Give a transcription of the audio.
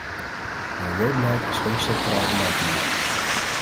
Milieubeleid is geen sectoraal beleid meer.